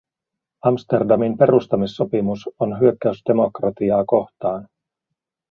Amsterdamin perustamissopimus on hyökkäys demokratiaa kohtaan.